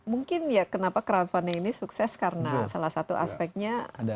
mungkin ya kenapa crowdfunding ini sukses karena salah satu aspeknya